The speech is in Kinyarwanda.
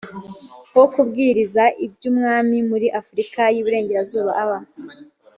wo kubwiriza iby ubwami muri afurika y iburengerazuba aba